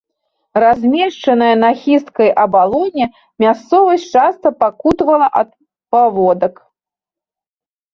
Размешчаная на хісткай абалоне, мясцовасць часта пакутавала ад паводак.